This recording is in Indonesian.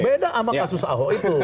beda sama kasus ahok itu